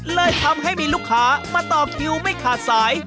เลยทำให้มีลูกค้ามาต่อคิวไม่ขาดสาย